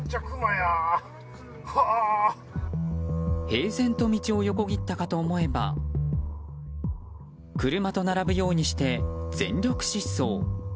平然と道を横切ったかと思えば車と並ぶようにして全力疾走。